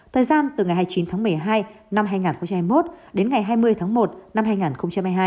thời gian từ ngày hai mươi chín tháng một mươi hai năm hai nghìn hai mươi một đến ngày hai mươi tháng một năm hai nghìn hai mươi hai